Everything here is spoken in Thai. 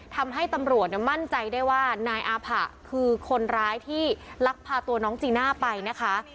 ทำให้ตำรวจมั่นใจได้ว่านายอาผะคือคนร้ายที่ลักพาตัวน้องจีน่าไปนะคะ